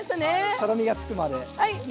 とろみがつくまでですね。